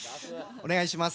お願いします。